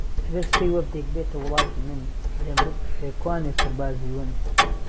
ئەگەر سبەی وەفدێک بێتە وڵاتی من لێم بپرسێ کوانێ سەربازی ون